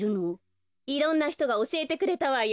いろんなひとがおしえてくれたわよ。